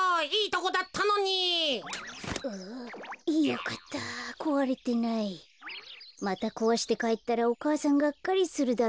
こころのこえまたこわしてかえったらお母さんがっかりするだろうな。